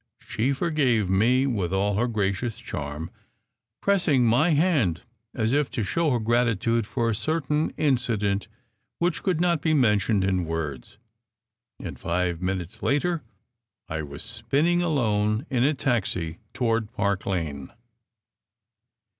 She forgave me with all her gra cious charm, pressing my hand as if to show her gratitude for a certain incident which could not be mentioned in words; and five minutes later I was spinning alone in a taxi toward Park Lane.